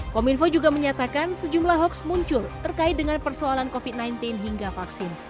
kominfo juga menyatakan sejumlah hoax muncul terkait dengan persoalan covid sembilan belas hingga vaksin